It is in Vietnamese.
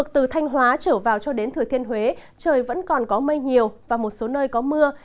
từ thanh hóa trở vào cho đến thừa thiên huế trời vẫn còn có mây nhiều và một số nơi có mưa